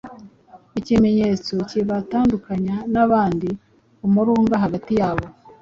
ikimenyetso kibatandukanya n’abandi, umurunga hagati yabo,